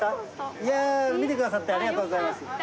いやー、見てくださってありがとうございます。